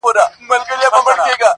چي مجبور یې قلندر په کرامت کړ؛